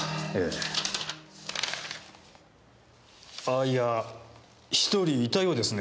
あいや１人いたようですね。